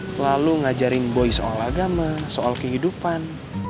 selalu ngajarin boy soal agama soal kehidupan